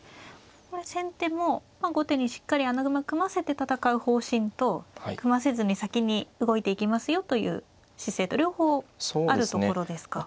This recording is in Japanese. これ先手も後手にしっかり穴熊組ませて戦う方針と組ませずに先に動いていきますよという姿勢と両方あるところですか。